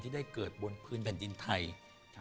ได้เกิดบนพื้นแผ่นดินไทย